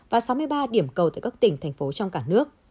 và sáu mươi ba điểm cầu tại các tỉnh thành phố trong cả nước